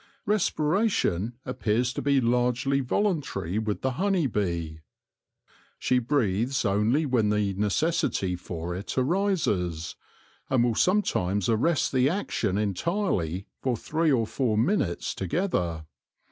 Respiration appears to be largely voluntary with the honey bee. She breathes only when the necessity for it arises, and will some times arrest the action entirely for three or four minutes together.